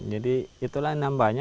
jadi itulah yang nambahnya